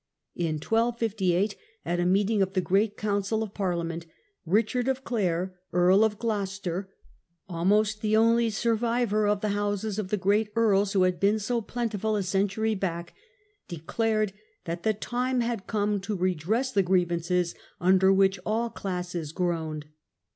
In 1258, at a meeting of the Great Council of Parliament, Richard of Clare, Earl of Gloucester, almost the only survivor of the houses of the great earls who had been so plentiful a century back, declared that the time had come to redress the grievances under which all classes groaned.